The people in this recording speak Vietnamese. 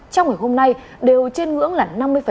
trong ngày hôm nay đều trên ngưỡng là năm mươi